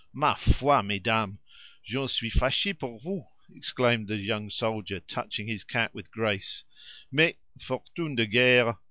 "Ma foi! mesdames; j'en suis faché pour vous," exclaimed the young soldier, touching his cap with grace; "mais—fortune de guerre!